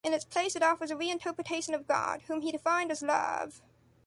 In its place, it offers a reinterpretation of God, whom he defined as love.